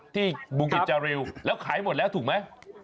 ที่บุงกิจจาริวแล้วขายหมดแล้วถูกไหม